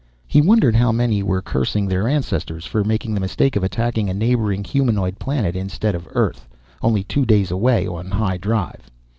He wondered how many were cursing their ancestors for making the mistake of attacking a neighboring humanoid planet instead of Earth, only two days away on high drive.